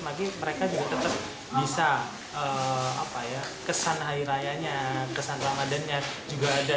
tapi mereka juga tetap bisa kesan hari rayanya kesan ramadannya juga ada